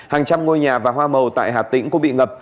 hàng trăm ngôi nhà và hoa màu tại hà tĩnh cũng bị ngập